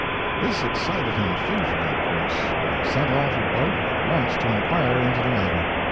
This excited him fearfully, of course, and he sent off a boat at once to inquire into the matter.